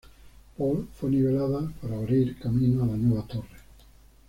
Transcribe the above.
Paul fue nivelada para abrir camino a la nueva torre.